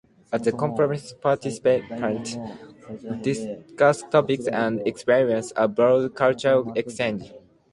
At the conference participants discuss topics and experience a broad cultural exchange.